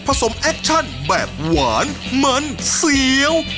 สมแอคชั่นแบบหวานมันเสียว